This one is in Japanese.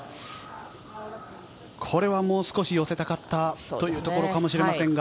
これはもう少し寄せたかった、というところかもしれませんが。